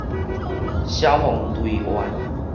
消防隊員